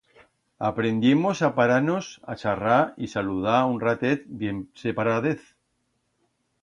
Aprendiemos a parar-nos a charrar y saludar un ratet bien separadez.